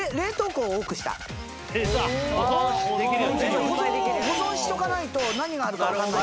保存しとかないと何があるか分かんないから。